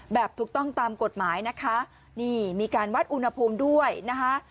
แบบถูกต้องตามกฎหมายนะคะนี่มีการวัดอุณหภูมิด้วยนะคะ